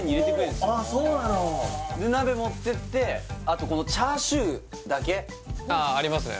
で鍋持ってってあとこのチャーシューだけああありますね